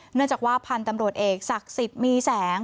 เนื่องจากว่าพันธุ์ตำรวจเอกศักดิ์สิทธิ์มีแสง